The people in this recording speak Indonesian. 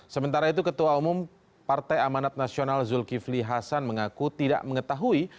sementara itu ketua umum partai amanat nasional zulkifli hasan mengaku tidak mengetahui